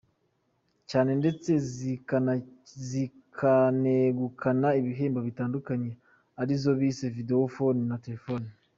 cyane ndetse zikanegukana ibihembo bitandukanye ari zo bise Video phone na "Telephone".